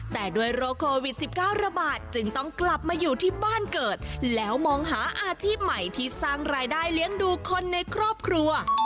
แต่ด้วยโรคโควิด๑๙ระบาดจึงต้องกลับมาอยู่ที่บ้านเกิดแล้วมองหาอาชีพใหม่ที่สร้างรายได้เลี้ยงดูคนในครอบครัว